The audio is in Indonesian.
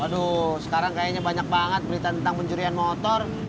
aduh sekarang kayaknya banyak banget penelitian tentang penjurian motor